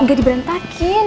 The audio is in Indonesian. gak di berantakin